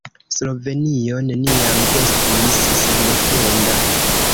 Slovenio neniam estis sendependa.